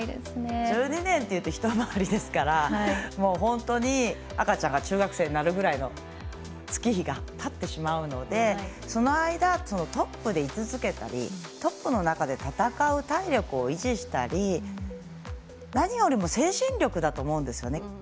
１２年というと１回りですから本当に、赤ちゃんが中学生になるぐらいの月日がたってしまうのでその間、トップでい続けたりトップの中で戦う体力を維持したり何よりも精神力だと思うんですね。